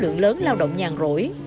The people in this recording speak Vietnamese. lượng lớn lao động nhàn rỗi